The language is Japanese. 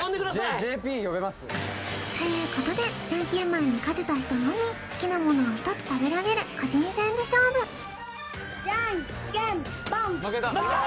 ＪＰ呼べます？ということでジャンケンマンに勝てた人のみ好きなものを１つ食べられる個人戦で勝負ジャンケンポン負けた！